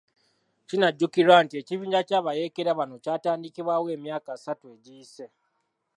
Kinajjukirwa nti ekibinja ky'abayeekera bano kyatandikibwawo emyaka asatu egiyise.